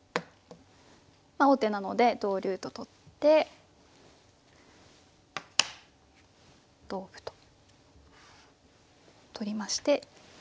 まあ王手なので同竜と取って同歩と取りまして。